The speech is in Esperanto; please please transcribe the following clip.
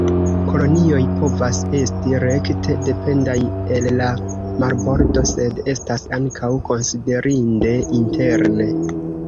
Kolonioj povas esti rekte dependaj el la marbordo sed estas ankaŭ konsiderinde interne.